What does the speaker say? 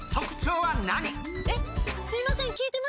えっすいません。